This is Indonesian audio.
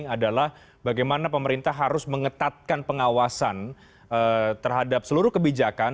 adalah bagaimana pemerintah harus mengetatkan pengawasan terhadap seluruh kebijakan